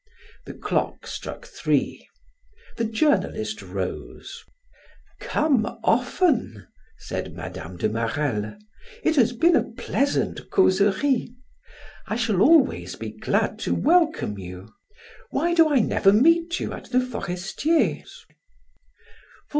The clock struck three; the journalist rose. "Come often," said Mme. de Marelle; "it has been a pleasant causerie. I shall always be glad to welcome you. Why do I never meet you at the Forestiers?"